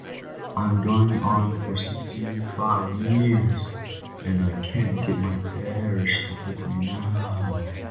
I'm going on for sixty five year r r, and I can't get my pa a arish to take me no ho o ow."